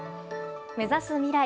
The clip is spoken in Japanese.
目指す未来。